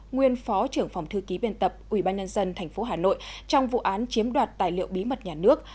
nguyên phó trưởng phòng thư ký biên tập ủy ban nhân dân thành phố hà nội trong vụ án chiếm đoạt tài liệu bí mật nhà nước